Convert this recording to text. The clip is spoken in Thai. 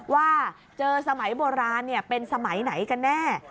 ว่าเจอสมัยโบราณเป็นสมัยไหนกันแน่